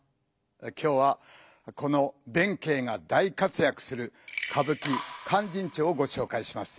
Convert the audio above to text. きょうはこの弁慶が大活やくする歌舞伎「勧進帳」をごしょうかいします。